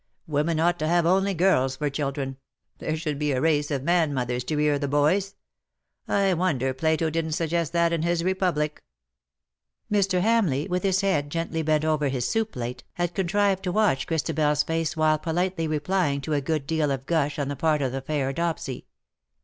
Women ought to have only girls for children. There should be a race of man mothers to rear the boys. I wonder Plato didn't suggest that in his Republic." Mr. Hamleigh, with his head gently bent over his soup plate^ had contrived to watch Christabel's face while politely replying to a good deal of gush on the part of the fair Dopsy.